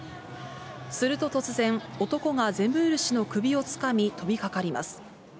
すると突然、男がゼムール氏の首をつかみ飛びかかります。